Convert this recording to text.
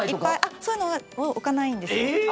そういうのは置かないんです。